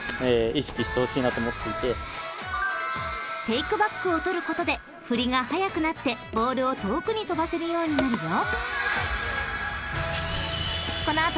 ［テイクバックを取ることで振りが速くなってボールを遠くに飛ばせるようになるよ］